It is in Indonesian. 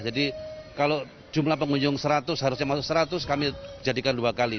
jadi kalau jumlah pengunjung seratus harusnya masuk seratus kami jadikan dua kali